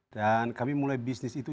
dan kami mulai bisnis itu